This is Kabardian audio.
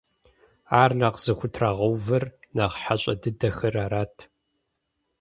Ар нэхъ зыхутрагъэувэр нэхъ хьэщӀэ дыдэхэр арат.